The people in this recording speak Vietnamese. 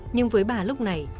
nhưng với bà lúc này